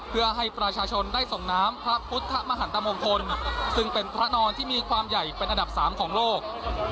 เพื่อให้ประชาชนได้ส่งน้ำพระพุทธมหันตมงคลซึ่งเป็นพระนอนที่มีความใหญ่เป็นอันดับ๓ของโลก